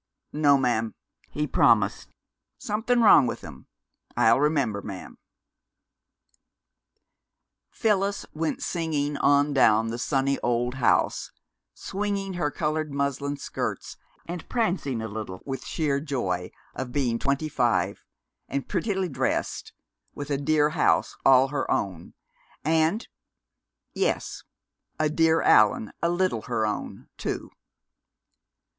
"No, ma'am," he promised. "Something wrong with 'em. I'll remember, ma'am." Phyllis went singing on down the sunny old house, swinging her colored muslin skirts and prancing a little with sheer joy of being twenty five, and prettily dressed, with a dear house all her own, and yes a dear Allan a little her own, too!